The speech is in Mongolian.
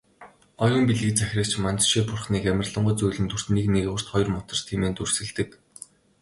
Оюун билгийг захирагч Манзушир бурхныг "амарлингуй зөөлөн дүрт, нэг нигуурт, хоёрт мутарт" хэмээн дүрсэлдэг.